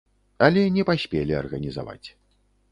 Але не паспелі арганізаваць.